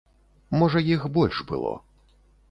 Можа іх больш было.